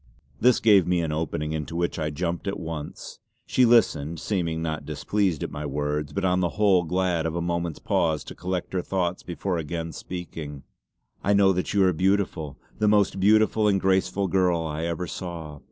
This gave me an opening into which I jumped at once. She listened, seeming not displeased at my words; but on the whole glad of a moment's pause to collect her thoughts before again speaking: "I know that you are beautiful; the most beautiful and graceful girl I ever saw.